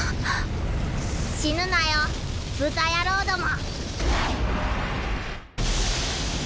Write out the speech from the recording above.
死ぬなよ豚野郎ども。